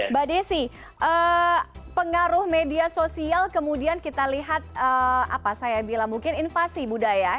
mbak desi pengaruh media sosial kemudian kita lihat apa saya bilang mungkin invasi budaya